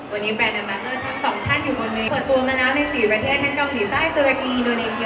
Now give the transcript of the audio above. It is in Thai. วันนี้แบรนด์แอร์มาสเตอร์ทั้งสองท่านอยู่บนเมีย